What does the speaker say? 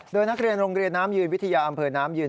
โดยนักเรียนโรงเรียนน้ำยืนวิทยาอำเภอน้ำยืน